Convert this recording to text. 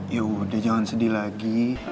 ya udah jangan sedih lagi